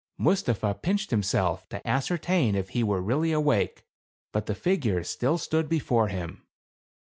Mustapha pinched himself to ascertain if he were really awake, but the figure still stood before him.